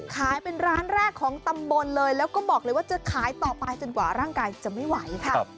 ขายเป็นร้านแรกของตำบลเลยแล้วก็บอกเลยว่าจะขายต่อไปจนกว่าร่างกายจะไม่ไหวค่ะ